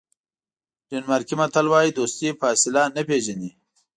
ډنمارکي متل وایي دوستي فاصله نه پیژني.